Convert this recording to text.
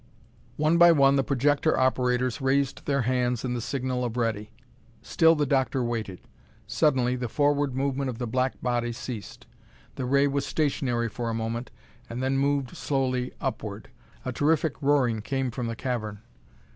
One by one the projector operators raised their hands in the signal of "ready." Still the doctor waited. Suddenly the forward movement of the black body ceased. The ray was stationary for a moment and then moved slowly upward. A terrific roaring came from the cavern.